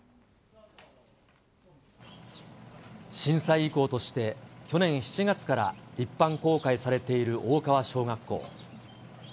震災遺構として、去年７月から一般公開されている大川小学校。